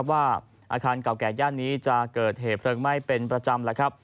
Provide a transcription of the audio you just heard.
ว่าอาคารเก่าแก่ย่านนี้จะเกิดเหตุไฟไหม้เป็นประจำ